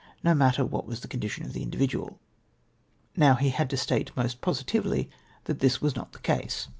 no matter what was the condition of the individual. Now he had to state most positively that this was not the case.